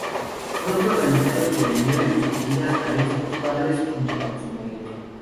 Pronto organizaron reuniones dirigidas a estos padres junto con su marido.